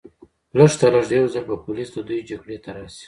لږترلږه یو ځل به پولیس د دوی جګړې ته راشي